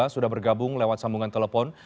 sudah bergabung lewat sambungan telepon